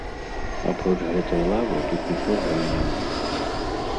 Апроч гэтай лавы, тут нічога і няма.